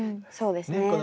そうですね。